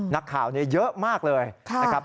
นักข่าวเยอะมากเลยนะครับ